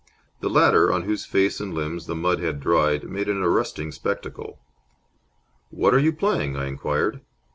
The latter, on whose face and limbs the mud had dried, made an arresting spectacle. "What are you playing?" I inquired.